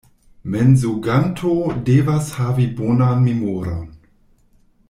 Mensoganto devas havi bonan memoron.